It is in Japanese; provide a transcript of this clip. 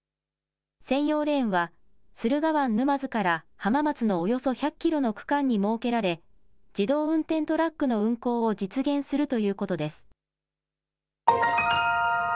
専用レーンは、駿河湾沼津から浜松のおよそ１００キロの区間に設けられ、自動運転トラックの運行を実現するということです。